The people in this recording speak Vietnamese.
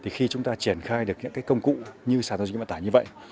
khi chúng ta triển khai được những công cụ như sản phẩm dịch vận tải như vậy